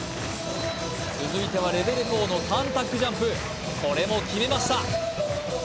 続いてはレベル４のターンタックジャンプこれも決めました